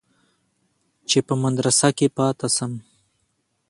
چې په مدرسه کښې پاته سم.